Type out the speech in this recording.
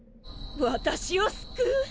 私を救う！？